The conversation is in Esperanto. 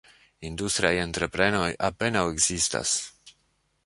Industriaj entreprenoj apenaŭ ekzistas.